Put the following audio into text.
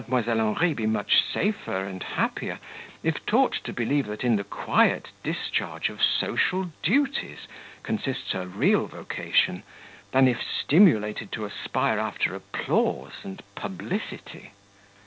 Henri be much safer and happier if taught to believe that in the quiet discharge of social duties consists her real vocation, than if stimulated to aspire after applause and publicity?